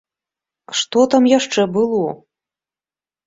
Што там яшчэ было?